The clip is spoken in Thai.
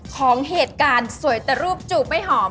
ของเหตุการณ์สวยแต่รูปจูบไม่หอม